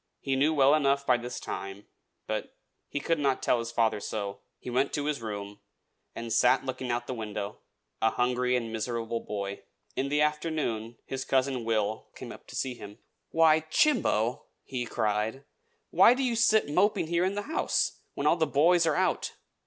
He knew well enough by this time; but he could not tell his father so. He went to his room, and sat looking out of the window, a hungry and miserable boy. In the afternoon his cousin Will came up to see him. "Why, Chimbo!" he cried. "Why do you sit moping here in the house, when all the boys are out?